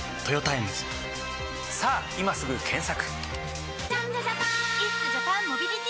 さぁ今すぐ検索！